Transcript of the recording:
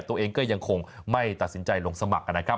ตัวเองก็ยังคงไม่ตัดสินใจลงสมัครนะครับ